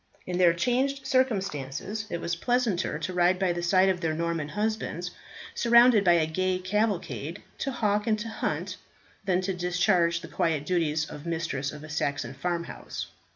In their changed circumstances it was pleasanter to ride by the side of their Norman husbands, surrounded by a gay cavalcade, to hawk and to hunt, than to discharge the quiet duties of mistress of a Saxon farm house.